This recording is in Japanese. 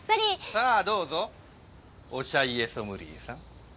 さあどうぞおしゃ家ソムリエさん。